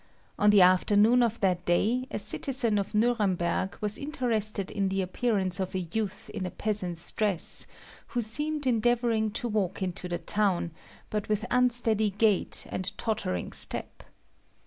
On the afternoon of that day a citizen of Nuremberg was interested in the appearance of a youth in a peasant's dress, who seemed endeavouring to walk into the town, but with unsteady gait and tottering step.